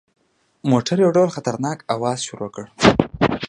موټر یو ډول خطرناک اواز شروع کړ.